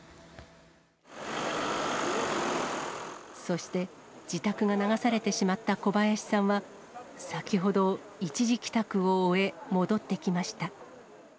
そして、自宅が流されてしまった小林さんは、先ほど、一時帰宅を終え、戻ってきました。